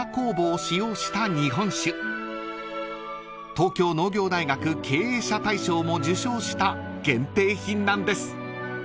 ［東京農業大学経営者大賞も受賞した限定品なんです］